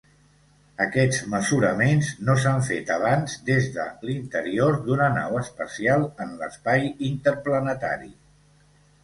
Aquests mesuraments no s'han fet abans des de l'interior d'una nau espacial en l'espai interplanetari.